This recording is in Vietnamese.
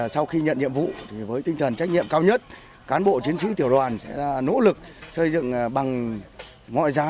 sau khi nhận nhiệm vụ với tinh thần trách nhiệm cao nhất cán bộ chiến sĩ tiểu đoàn sẽ nỗ lực xây dựng bằng mọi giá